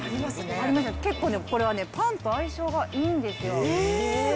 結構ね、これはパンと相性がいいんですよ。